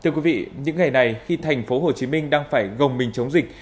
thì khắp mọi miền đất nước các thành phố hồ chí minh đang phải gồng mình chống dịch